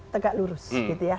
tegak lurus gitu ya